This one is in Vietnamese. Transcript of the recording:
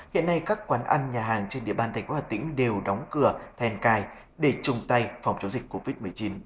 hiện nay các quán ăn nhà hàng trên địa bàn thành phố hạ tỉnh đều đóng cửa then cai để chung tay phòng chống dịch covid một mươi chín